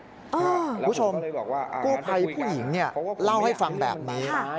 คุณผู้ชมกู้ภัยผู้หญิงเล่าให้ฟังแบบนี้